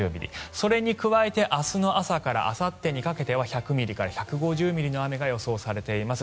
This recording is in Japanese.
それに加えて明日の朝からあさってにかけては１００ミリから１５０ミリの雨が予想されています。